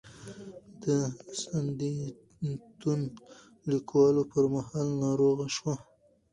د "سندیتون" لیکلو پر مهال ناروغه شوه.